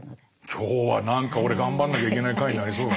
今日は何か俺頑張んなきゃいけない回になりそうだな。